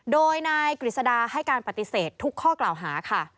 โดยนายกฤษดาให้การปฏิเสธทุกข้อกล่าวหาค่ะ